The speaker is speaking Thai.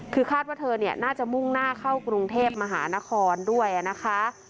คือคาดว่าเธอเนี่ยน่าจะมุ่งหน้าเข้ากรุงเทพมหานครด้วยนะคะ